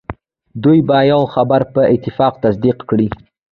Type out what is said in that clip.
دوی به یوه خبره په اتفاق تصدیق کړي.